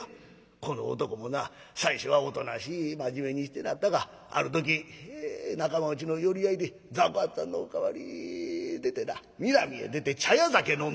この男もな最初はおとなしい真面目にしてなったがある時仲間内の寄り合いで雑穀八さんの代わりに出てなミナミへ出て茶屋酒飲んだ。